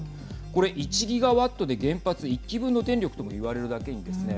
これ、１ギガワットで原発１基分の電力ともいわれるだけにですね